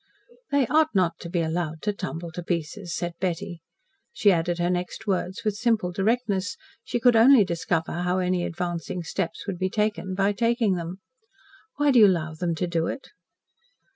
"They ought not to be allowed to tumble to pieces," said Betty. She added her next words with simple directness. She could only discover how any advancing steps would be taken by taking them. "Why do you allow them to do it?"